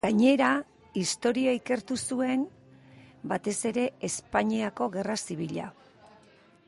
Gainera, historia ikertu zuen, batez ere Espainiako Gerra Zibila.